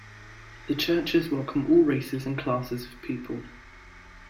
The churches welcome all races and classes of people.